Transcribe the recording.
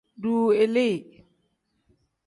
Duu ilii.